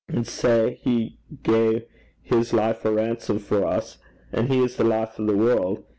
And sae he gae his life a ransom for us: and he is the life o' the world.